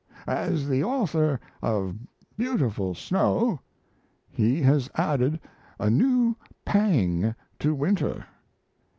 As the author of 'Beautiful Snow,' he has added a new pang to winter.